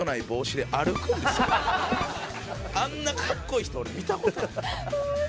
あんなかっこいい人俺見た事ない。